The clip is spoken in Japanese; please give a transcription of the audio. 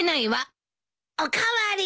お代わり。